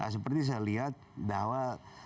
seperti saya lihat bahwa